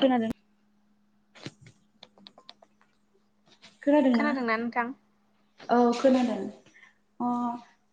खोनादों खोनादोंना नोंथां? औ खोनादों अ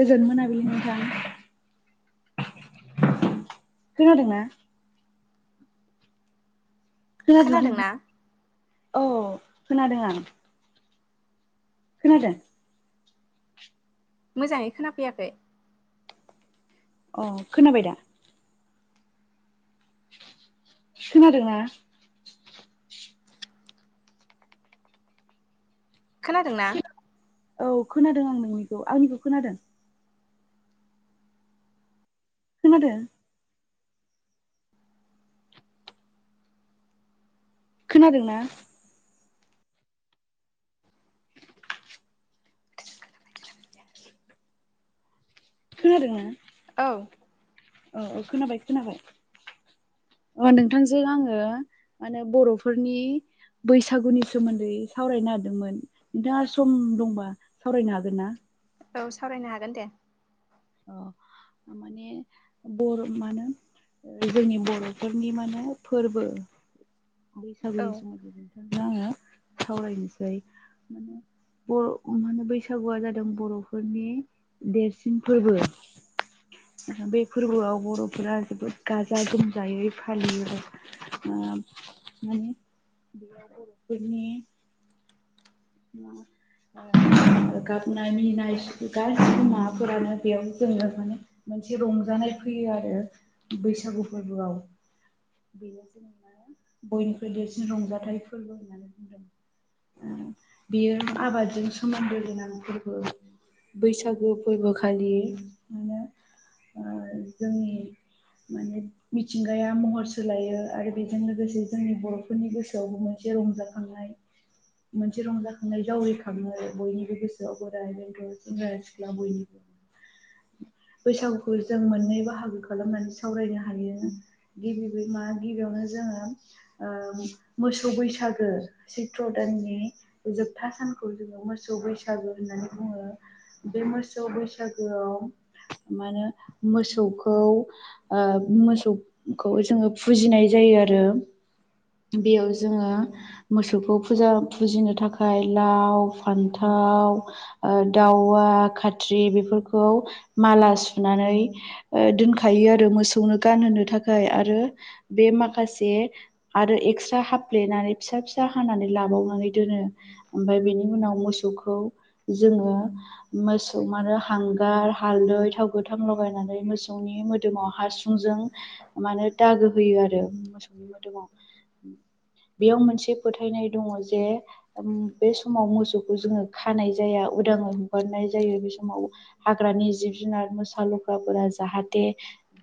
गोजोन मोनाबिलि नोंथां। खोनादोंना? खोनादोंना? औ खोनादों आं। खोनादों मोजाङै खोनाफैयाखै। अ खोनाबाय दा? खोनादोंना? खोनादोंना? औ खोनादों आं नोंनिखौ आंनिखौ खोनादों। खोनादों खोनादोंना? खोनादोंना? औ औ औ खोनाबाय खोनाबाय। अ नोंथांजों आङो माने बर'फोरनि बैसागुनि सोमोन्दै सावरायनो नागिरदोंमोन नोंथाङा सम दंबा सावरायनो हागोन ना? औ सावरायनो हागोन दे। अ माने बर मानो जोंनि बर'फोरनि माने फोरबो औ बैसागुनि सोमोन्दै बेनो आङो सावरायनोसै माने बर' मा होनो बैसागुआ जादों बर'फोरनि देरसिन फोरबो। बे फोरबोआव बर'फोरा जोबोद गाजा गोमजायै फालियो ओ माने बे बर'फोरनि [unintelligible] गाबनाय मिनिनाय गासिबो माबाफोरानो बेयाव जोङो माने मोनसे रंजानाय फैयो आरो बैसागु फोरबोआव। बेयो जेनेबा बयनिख्रुइ देरसिन रंजाथाइ फोरबो होननानै बुंदों। बेयो आबादजों सोमोन्दो गोनां फोरबो। बैसागो फोरबोखालि मेने जोंनि माने मिथिंगाया महर सोलायो आरो बेजों लोगोसे जोंनि बर'फोरनि गोसोआवबो मोनसे एसे रंजाखांनाय मोनसे रंजाखांनाय जावरिखाङो आरो बयनिबो गोसोआव अराय बेग' सेंग्रा सिख्ला बयनिबो [inaudible] बैसागुखौ जों मोननै बाहागो खालामनानै सावरायनो हायो गिबि मा गिबियावनो जों जोङो मोसौ बैसागो सैत्र दाननि जोबथा सानखौ जोङो मोसौ बैसागो होननानै बुङो बे मोसौ बैसागो मा होनो मोसौखौ मोसौखौ जोङो फुजिनाय जायो आरो बेयाव जोङो मोसौखौ फुजा फुजिनो थाखाय लाव फान्थाव ओ दावा खाथ्रि बेफोर फोरखौ माला सुनानै दोनखायो आरो मोसौनो गानहोनो थाखाय आरो बे माखासे आरो एक्सट्रा हाफ्लेनानै फिसा फिसा हानानै लाबावनो दोनो ओमफाय बेनि उनाव मोसौखौ जोङो माने हांगार हाल्दै थाव गोथां लगायनानै मोसौनि मोदोमाव हासुंजों माने दागो होयो आरो मोसौनि मोदोमाव बेयाव मोनसे फोथायनाय दङ जे बे समाव मोसौखौ जोङो खानाय जाया उदाङै हगारनाय जायो बे समाव हाग्रानि जिब जुनार मोसा लख्राफोरा जाहाथे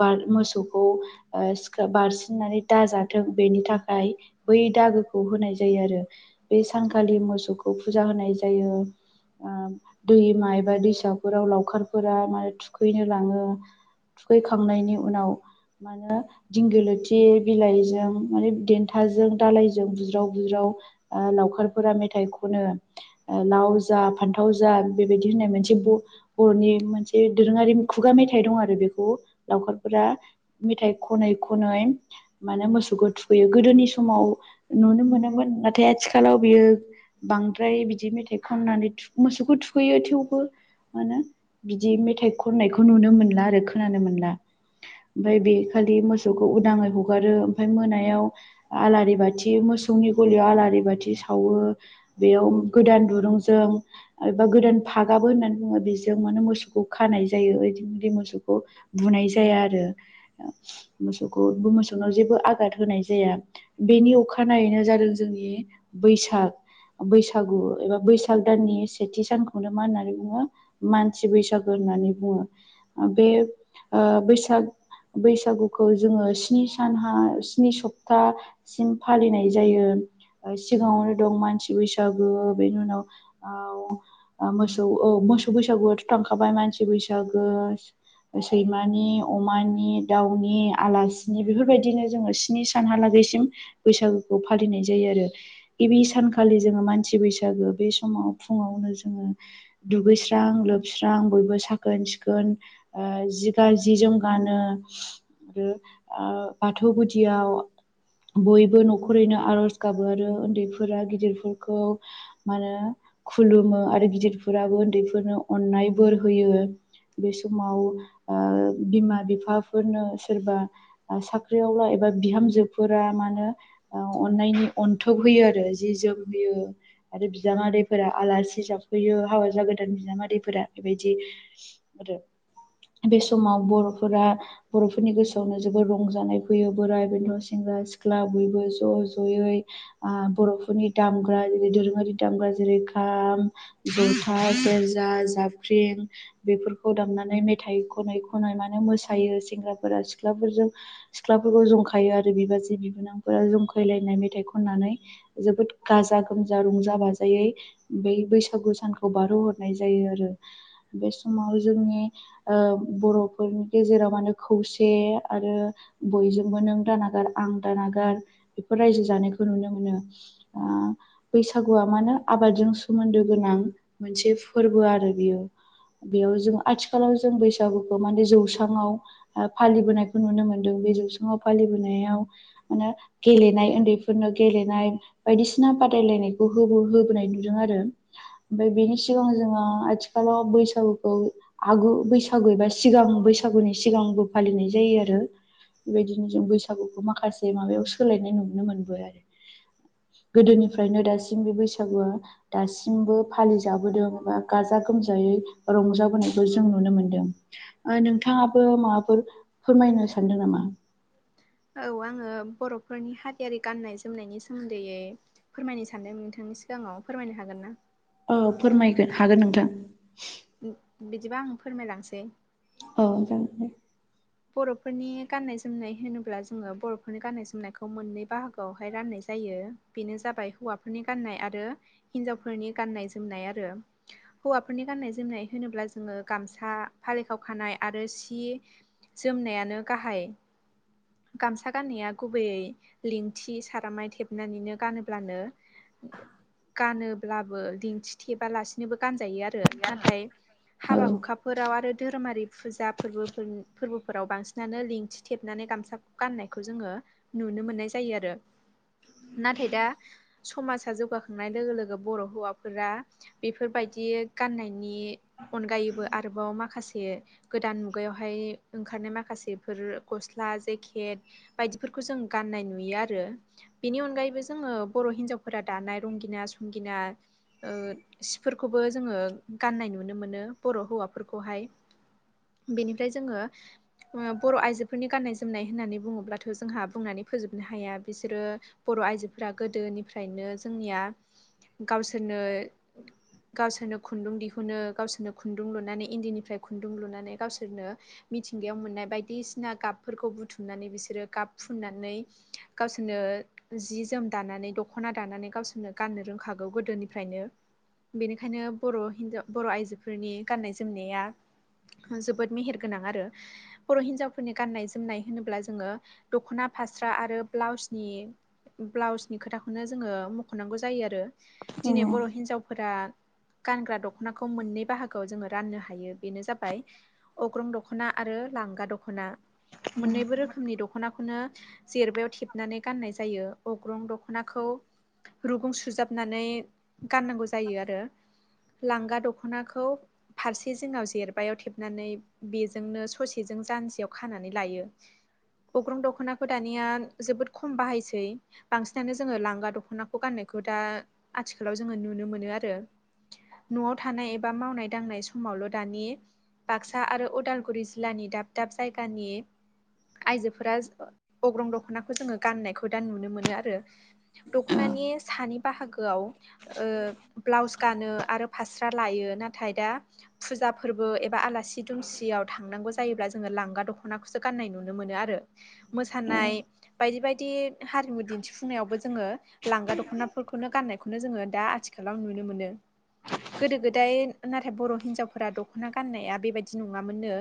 बार मोसौखौ सिखा बारसिननानै दाजाथों बेनि थाखाय बै दागोखौ होनाय जायो आरो बे सानखालि मोसौखौ फुजा होनाय जायो आं दैमा एबा दैसाफोराव लावखारफोरा माने थुखैनो लाङो थुखैखांनायनि उनाव मा होनो दिंगलोथि बिलाइजों माने देन्थाजों दालायजों बुज्राव बुज्राव लावखारफोरा मेथाइ खनो लाव जा फान्थाव जा बेबायदि होननाय मोनसे बरनि मोनसे दोरोङारि खुगा मेथाइ दं आरो बेखौ लावखारफोरा मेथाइ खनै खनै माने मोसौखौ थुखैयो गोदोनि समाव नुनो मोनोमोन नाथाय आथिखालाव बियो बांद्राय बिदि मेथाइ खननानै मोसौखौ थुखैयो थेवबो मा होनो बिदि मेथाइ खननायखौ नुनो मोनला आरो खोनानो मोनला ओमफ्राय बे खालि मोसौखौ उदाङै हगारो ओमफ्राय मोनायाव आलारि बाथि मोसौनि गलियाव आलारि बाथि सावो बेयाव गोदान दुरुंजों एबा गोदान फागाबो होननानै बुङो बि जों मे मोसौखौ खानाय जायो इदिनखालि मोसौखौ बुनाय जाया आरो मोसौखौ मोसौनाव जेबो आगाद होनाय जाया बेनि अखानायैनो जादों जोंनि बैसाग बैसागु एबा बैसाग दाननि सेथि सानखौनो मा होननानै बुङो मानसि बैसागु होननानै बुङो बे ओ बैसाग बैसागुखौ जोङो स्नि सानहा स्नि सप्तासिम फालिनाय जायो ओ सिगाङावनो दं मानसि बैसागु बेनि उनाव मोसौ मोसौ बैसागुआथ थांखाबाय मानसि बैसागो सैमानि अमानि दाउनि आलासिनि बेफोरबायदिनो जोङो स्नि सानहाालागै बेसिम बैसागुखौ फालिनाय जायो आरो गिबि सानखालि जोङो मानसि बैसागो बे समाव फुङावनो जोङो दुगैस्रां लोबस्रां बयबो साखोन सिखोन जि जोम गानो आरो ओ बाथौ गुदियाव बयबो नखरैनो आरज गाबो आरो उन्दैफोरा गिदिरफोरखौ माहोनो खुलुमो आरो गिदिरफोराबो उन्दैफोरनो अनाय बोर होयो बे समाव ओ बिमा बिफाफोरनो सोरबा साख्रियाव ला एबा बा बिहामजोफोरा मानो अननायनि अनथब होयो जि जोम होयो आरो बिजामादैफोरा आलासि जाफैयो हाबा जा गोदान बिजामादैफोरा बेबायदि आरो बे समाव बरफोरा बरफोरनि गोसोआव नो जोबोर रंजानाय फैयो बोराय बेन्थ सेंग्रा सिख्ला बयबो ज जयै नि दामग्रा जेरै दोरोङारि दामग्रा जेरै खाम जथा सेरजा जाबख्रिं बेफोरखौ दामनानै मेथाइ खनै खनै मानो मोसायो सेंग्राफोरा सिख्ला फोरजों सिख्लाफोरखौ जंखायो आरो बिबाजै बिबोनांफोरा जंखायलायनाय मेथाइ खननानै जोबोद गाजा गोमजा रंजा बाजायै बै बैसागु सानखौ बारहो हरनाय जायो आरो बे समाव जोंनि ओ बरफोरनि गेजेराव माने खौसे आरो बयजोंबो नों दानागार आं दानागार बेफोर रायजो जानायखौ नुनो मोनो अ बैसागुआ मा होनो आबादजों सोमोन्दो गोनां मोनसे फोरबो आरो बियो बेयाव जों आथिखालाव जों बैसागुखौ माने जौस्राङाव फालिबोनायखौ नुनो मोन्दों बे जौसांआव फालिबोनायाव माने गेलेनाय उन्दैफोरनो गेलेनाय बायदिसिना बादायलायनायखौबो होबोनाय नुदों आरो ओमफ्राय बेनि सिगां जोङो आथिखाल बैसागुखौ आ बैसागु एबा सिगां बैसागुनि सिगांबो फालिनाय जायो आरो बेबायदिनो जों बैसागुखौ माखासे माबायाव सोलायनाय नुनो मोनबो आरो गोदोनिफ्रायनो दासिम बे बैसागुआ दासिमबो फालिजाबोदों एबा गाजा गोमजा रंजाबोनायखौ जों नुनो मोनदों नोंथाङाबो माबाफोर फोरमायनो सानदों नामा औ आङो बर'फोरनि हारियारि गाननाय जोमनायनि सोमोन्दैयै फोरमायनो सानदों नोंथां नि सिगाङाव फोरमायनो हागोन ना औ फोरमायगोन हागोन नोंथां बिदिबा आं फोरमायलांसै औ जागोन दे बर'फोरनि गाननाय जोमनाय होनोब्ला जोङो बर'फोरनि गाननाय जोमनायखौ मोननै बाहागोआवहाय राननाय जायो बेनो जाबाय हौवाफोरनि गान्नाय आरो हिनजावफोरनि गान्नाय जोमनाय आरो हौवाफोरनि गाननाय जोमनाय होनोब्ला जोङो गामसा फालिखाव खानाय आरो सि जोमनायानो गाहाय गामसा गाननाया गुबैयै लिंथि सारामाय थेबनानैनो गानोब्लानो [inaudible] गानोब्लाबो दिन्थि थेबालासिनोबो गानजायो आरो नाथाय औ हाबा हुखाफोराव आरो धोरोमारि फुजा फोरबोफोर फोरबोफोराव बांसिनानो लिंथि थेबनानै गामसा गाननायखौ जोङो नुनो मोननाय जायो आरो नाथाय दा समाजा जौगाखांनाय लोगो लोगो बर' हौवाफोरा बेफोरबायदि बिदि गाननायनि अनगायैबो आरोबाव माखासे गोदान मुगायावहाय ओंखारनाय माखासेफोर गस्ला जेकेट बायदिफोरखौ जों गाननाय नुयो आरो बेनि अनगायैबो जोङो बर' हिन्जावफोरा दानाय रंगिना संगिना फोरखौबो जोङो गाननाय नुनो मोनो बर' हौवाफोरखौहाय बेनिफ्राय जोङो [inaudible] बर' आइजोफोरनि गान्नाय जोमनाय होननानै बुङोब्लाथ' जोंहा बुंनानै फोजोबनो हाया बिसोरो बर' आइजोफोरा गोदोनिफ्रायनो जोंनिया गावसोरनो गावसोरनो खुन्दुं दिहुनो गावसोरनो खुन्दुं लुनानै इन्दिनिफ्राय खुन्दुं लुनानै गावसोरनो मिथिंगायाव मोननाय बायदिसिना गाबफोरखौ बुथुमनानै बिसोरो गाब फुननानै गावसोरनो जि जोम दानानै दखना दानानै गावसोरनो गाननो रोंखागौ गोदोनिफ्रायनो बेनिखायनो बर' हिनजाव बर' आइजोफोरनि गाननाय जोमनाया जोबोद मेहेर गोन गोनां बर' हिनजावफोरनि गाननाय जोमनाय होनोब्ला जोङो दख'ना फास्रा आरो ब्लाउस सिनि ब्लाउसनि खोथाखौनो जोङो मख'नांगौ जायो आरो दिनै औ बर' हिन्जावफोरा गानग्रा दख'नाखौ मोननै बाहागोआव जोङो राननो हायो बेनो जाबाय अग्रं दख'ना आरो लांगा दख'ना मोननैबो रोखोमनि दखना दख'नाखौनो जेरबायायाव थेबनानै गाननाय जायो अग्रं दख'नाखौ। रुगुं सुजाबनानै गाननांगौ जायो आरो। लांगा दख'नाखौ फारसे जोंनाव जेरबायायाव थेबनानै। बेजोंनो ससेजों जानजियाव खानानै लायो। गग्रं दख'नाखौ दानिया जोबोद खम बाहायसै बांसिनानो जोङो लांगा दख'नाखौ गाननो। बेखौ दा आथिखालाव जोङो नुनो मोनो आरो। न'आव थानाय एबा मावनाय दांनाय समावल' दानि बाक्सा। बाक्सा आरो अदालगुरि जिल्लानि दाब दाब जायगानि आइजोफोरा अग्रं दख'नाखौ जोङो गान्नायखौ दा नुनो मोनो आरो। दख'नानि सानि बाहागोआव ब्लाउस गानो आरो फास्रा लायो नाथाय दा फुजा फुजा फोरबो एबा आलासि दुमसियाव थांनांगौ जायोब्ला जोङो लांगा दख'नाखौसो गान्नाय नुनो मोनो आरो मोसानाय। बायदि बायदि हारिमु दिन्थिफुंनायावबो जोङो लांगा दख'नाफोरखौनो गाननायखौनो जोङो दा आथिखालाव नुनो मोनो। गोदो गोदाय नाथाय बर' हिनजावफोरा दख'ना गाननाया बेबायदि। नङामोननो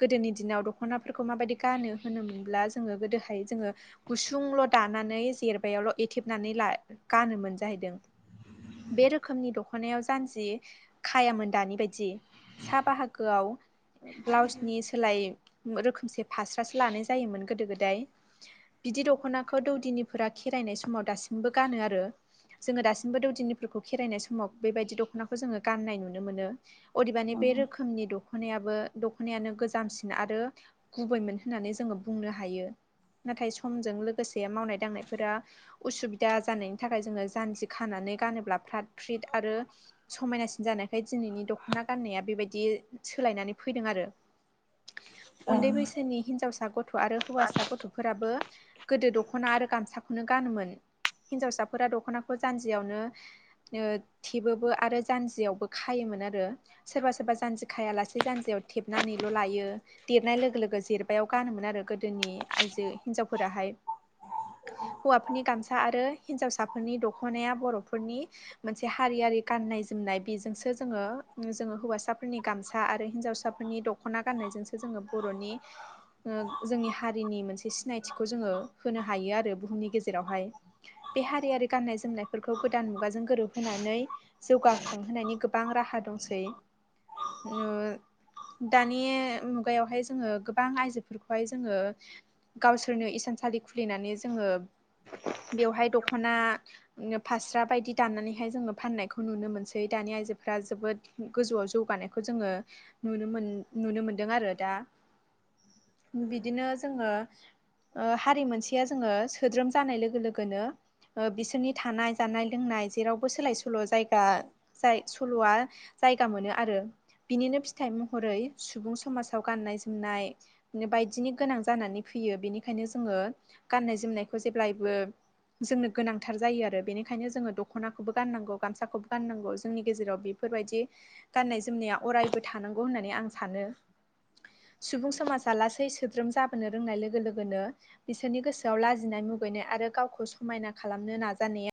गोदोनि दिनाव दखनाफोरखौ माबायदि गानो होनोमोनब्ला जोङो गोदोहाय जोङो। गुसुंल' दानानै जेरबायायावल' एथेबनानै ला गानोम मोनजाहैदों। बे रोखोमनि दख'नायाव जानजि खायामोन दानि बायदि। साहा बाहागोआव ब्लाउसनि सोलाय। रोखोमसे फास्रासो लानाय जायोमोन गोदो गोदाय बिदि दख'नाखौ दौदिनिफोरा खेरायनाय समाव दासिमबो गानो आरो। जोङो दासिमबो दौदिनिफोरखौ खेरायनाय समाव बेबायदि दख'नाखौ जोङो गान्नाय नुनो मोनो। अदेबानि बे रोखोमनि दख'नाया बो दख'नायानो गोजामसिन आरो गुबैमोन होननानै जोङो बुंनो हायो। नाथाय समजों लोगोसे मावनाय दांनायफोरा उसुबिदा जानायनि थाखाय जोङो जानजि खाना नै गानोब्ला फ फ आरो समायनासिन जानायाय दिननि दखना गाननाया बेबायदि सो फैदों आरो औ उन्दै औ। बैसोनि हिनजावसा गथ' आरो हौवासा गथ'फोराबो। गोदो दख'ना आरो गामसाखौनो गानोमोन। हिन्जावसाफोरा दख'नाखौ जान्जियावनो थेबोबो आरो जान्जियावबो खायो मोन आरो सोरबा सोरबा जान्जि खाया सासे जान्जि याव थेबनानैल' लायो देरनाय लोगो लोगो जेरबायायाव गानोमोन आरो गोदोनि आइजो हिनजावफोराहाय। [inaudible] हौवाफोरनि गामसा आरो हिनजावसाफोरनि दख'नाया बर'फोरनि मोनसे हारियारि गाननाय जोम नाय बेजोंसो जोङो जोङो हौसाफोरनि गामसा आरो हिजावसा साफोरनि दख'ना गाननायजोंसो जोङो बर'नि। जोंनि हारिनि मोनसे सिनायथिखौ जोङो होनो हायो आरो बुहुमनि गेजेरावहाय। बे हारियारि गाननाय जोमनायफोरखौ गोदान मुगाजों गोरोबहोनानै जौगाखांहोननि गोबां राहा दंसै ओ। दानि मुगायावहाय जोङो गोबां आइजोफोरखौहाय जोङो गावसोरनो हिसान सालि खुलिनानै जोङो बेवहाय दख'ना फास्रा बायदि दाननानैहाय जोङो फाननायखौ नुनो मोनसै दानि आइजोफ्रा जोबोद गोजौआव जौगा नायखौ जोङो। नुनो मोन नुनो मोनदों आरो दा बिदिनो जोङो। हारि मोनसेया जोङो सोद्रोम जानाय लोगो लोगोनो बिसोरनि थानाय जानाय लोंनाय जेरावबो सोलाय सोल' जायगा जाय सल'आ जायगा मोनो आरो बिनिनो फि थाइ महरै सुबुं समाजाव गान्नाय जोमनाय बायदिनि गोनां जानानै फैयो बेनिखाय नो जोङो गाननाय जोमनायखौ जेब्लायबो। जोंनो गोनांथार जायो आरो बेनिखायनो जोङो दख'नाखौबो गाननांगौ गामसाखौबो गाननांगौ जोंनि गेजेराव बे बेफोरबायदि गान्नाय जोमनाया अरायबो थानांगौ होननानै आं सानो सुबुं समाजा लासै सोद्रोम जाबोनो रोंनाय लोगो लोगोनो बिसोरनि गोसोआव लाजिनाय मु मुगैनाय आरो गावखौ समायना खालामनो नाजानाया